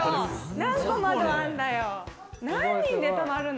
何個、窓あんだよ。